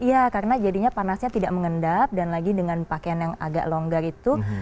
iya karena jadinya panasnya tidak mengendap dan lagi dengan pakaian yang agak longgar itu